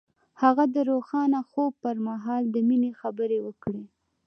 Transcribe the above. هغه د روښانه خوب پر مهال د مینې خبرې وکړې.